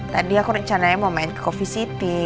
tadi aku rencananya mau main ke coffee city